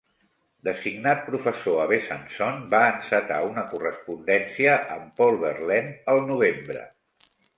Designat professor a Besançon, va encetar una correspondència amb Paul Verlaine el novembre.